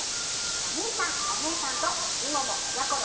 おにいさんおねえさんとみももやころ